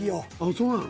そうなの？